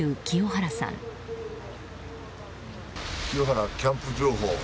清原キャンプ情報。